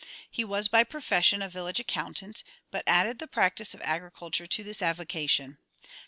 He was by profession a village accountant, but added the practice of agriculture to this avocation.